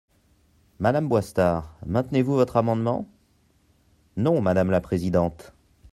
Madame Boistard, maintenez-vous votre amendement ? Non, madame la présidente.